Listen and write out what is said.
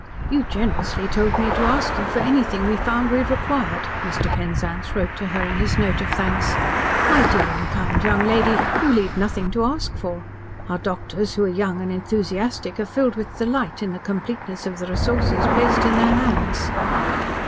"You generously told me to ask you for anything we found we required," Mr. Penzance wrote to her in his note of thanks. "My dear and kind young lady, you leave nothing to ask for. Our doctors, who are young and enthusiastic, are filled with delight in the completeness of the resources placed in their hands."